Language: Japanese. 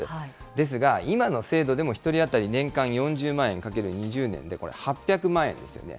ですが、今の制度でも１人当たり年間４０万円×２０年で、これ、８００万円ですよね。